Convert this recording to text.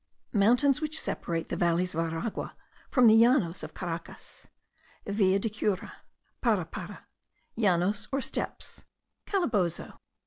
MOUNTAINS WHICH SEPARATE THE VALLEYS OF ARAGUA FROM THE LLANOS OF CARACAS. VILLA DE CURA. PARAPARA. LLANOS OR STEPPES. CALABOZO.